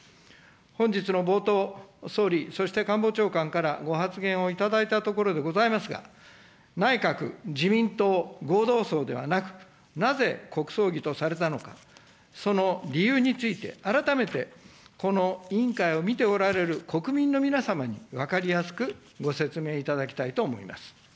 本日の冒頭、総理、そして官房長官からご発言を頂いたところでございますが、内閣・自民党合同葬ではなく、なぜ国葬儀とされたのか、その理由について、改めて、この委員会を見ておられる国民の皆様に、分かりやすくご説明いただきたいと思います。